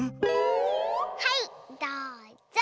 はいどうぞ。